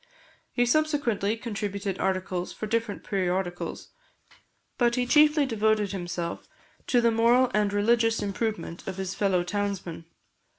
He subsequently contributed articles for different periodicals; but he chiefly devoted himself to the moral and religious improvement of his fellow townsmen.